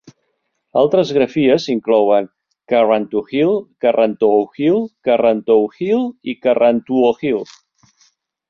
Altres grafies inclouen "Carrantoohil", "Carrantouhil", "Carrauntouhil" i "Carrantuohill".